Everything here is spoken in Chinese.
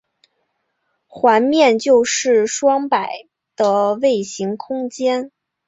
环面就是双摆的位形空间。